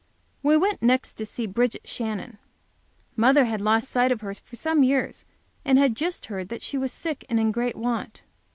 We went next to see Bridget Shannon. Mother had lost sight of her for some years, and had just heard that she was sick and in great want.